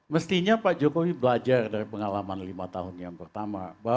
mestinya pak jokowi belajar dari pengalaman lima tahun yang pertama